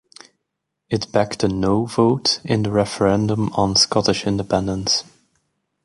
It backed a 'No' vote in the referendum on Scottish independence.